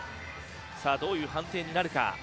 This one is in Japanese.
どういう判定になるか。